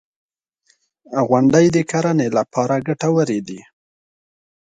• غونډۍ د کرنې لپاره ګټورې دي.